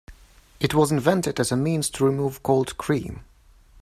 It was invented as a means to remove cold cream.